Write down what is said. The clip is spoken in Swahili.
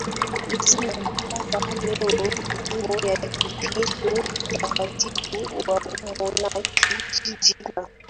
zima mpaka leo Elimu ya Kikristo Utaratibu wa umonaki Jiji la